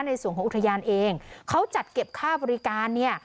ในส่วนของอุทยานเองเขาจัดเก็บค่าบริการเนี่ย